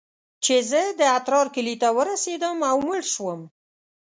چې زه د اترار کلي ته ورسېدم او مړ سوم.